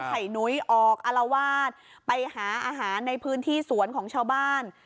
ไข่นุ้ยออกอารวาสไปหาอาหารในพื้นที่สวนของชาวบ้าน